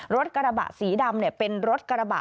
รถกระบะสีดำเป็นรถกระบะ